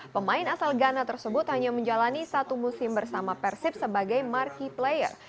pemain asal ghana tersebut hanya menjalani satu musim bersama persib sebagai marki player